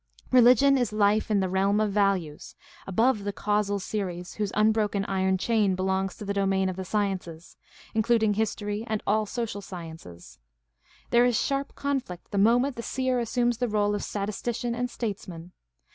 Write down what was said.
Religion is life in the realm of values, CHRISTIANITY AND SOCIAL PROBLEMS 685 above the causal series whose unbroken iron chain belongs to the domain of the sciences, including history and all social sciences. There is sharp conflict the moment the seer assumes the role of statistician and statesman.